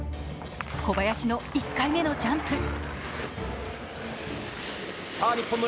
小林の１回目のジャンプ。